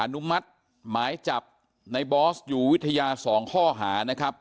นุมัติหมายจับในบอสอยู่วิทยา๒ข้อหานะครับ